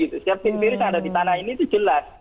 setiap virus virus yang ada di tanah ini itu jelas